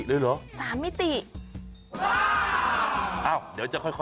เป็นอีก๓มิติแล้ว